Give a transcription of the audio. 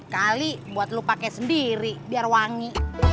kali buat lu pakai sendiri biar wangi